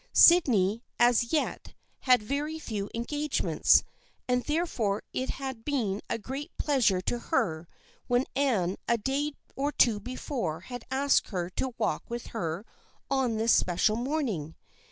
Syd ney as yet had very few engagements, and there fore it had been a great pleasure to her when Anne a day or two before had asked her to walk with her on this especial morning.